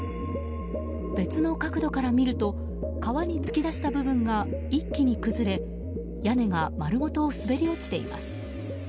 別の角度から見ると川に突き出した部分が一気に崩れ屋根が丸ごと滑り落ちています。